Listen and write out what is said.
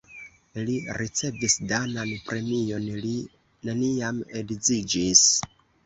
Li ricevis danan premion, li neniam edziĝis.